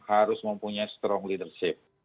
harus mempunyai strong leadership